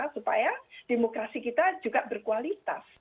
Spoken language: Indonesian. supaya demokrasi kita juga berkualitas